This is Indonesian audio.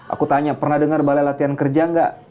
aku tanya pernah dengar balai latihan kerja nggak